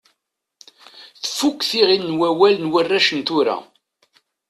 Tfukk tiɣin n wawal n warrac n tura.